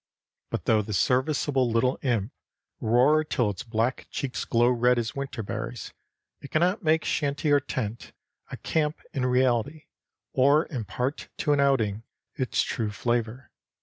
But though the serviceable little imp roar till its black cheeks glow red as winter berries, it cannot make shanty or tent a camp in reality or impart to an outing its true flavor.